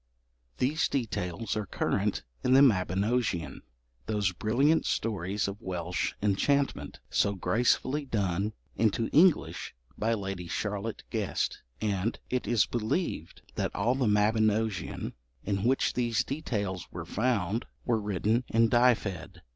These details are current in the Mabinogion, those brilliant stories of Welsh enchantment, so gracefully done into English by Lady Charlotte Guest, and it is believed that all the Mabinogion in which these details were found were written in Dyfed.